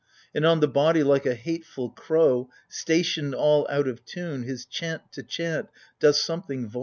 And on the body, like a hateful crow. Stationed, all out of tune, his chant to chant Doth something vaunt